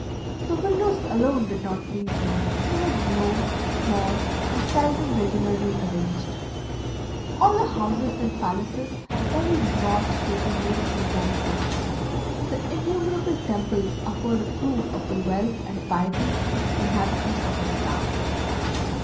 The windows alone did not please me; they were low, small, and seldom regularly arranged. All the houses and palaces have very broad sloping roofs and terraces. The innumerable temples afford a proof of the wealth and piety of the inhabitants of this town.